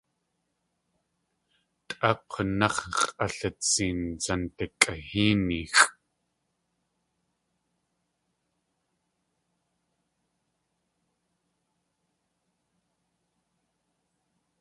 Tʼá k̲únáx̲ x̲ʼalitseen Dzantikʼi Héenixʼ.